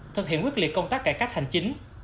thực hiện quyết liệt công tác cải cách hành chính